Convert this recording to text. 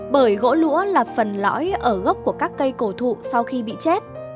bởi gỗ lũa là phần lõi ở gốc của các cây cổ thụ sau khi bị chết